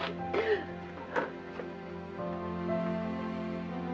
ibu maksud mawar nggak begitu bu